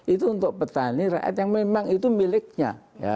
itu untuk petani rakyat yang memang itu miliknya